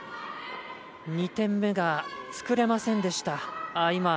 ２点目が作れませんでした。